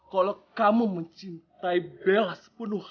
kalau kamu mencintai bella sepenuh hati